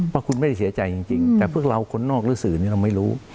ว่าคุณไม่ได้เสียใจจริงจริงแต่เพื่อเราคนนอกรู้สื่อเนี้ยเราไม่รู้